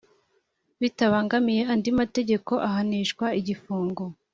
Bitabangamiye andi mategeko ahanishwa igifungo